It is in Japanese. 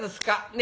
ね？